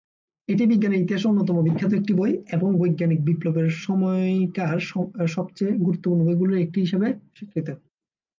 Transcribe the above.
এটি বিজ্ঞানের ইতিহাসে অন্যতম বিখ্যাত একটি বই এবং বৈজ্ঞানিক বিপ্লবের সময়কার সবচেয়ে গুরুত্বপূর্ণ বইগুলোর একটি হিসেবে স্বীকৃত।